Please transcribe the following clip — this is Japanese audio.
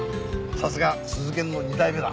さすが鈴建の二代目だ。